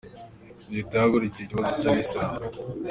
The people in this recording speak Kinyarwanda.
Leta yahagurukiye ikibazo cy’Abayisilamu